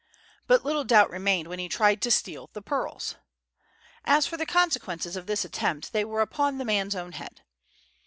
But little doubt remained when he tried to steal the pearls! As for the consequences of this attempt, they were upon the man's own head!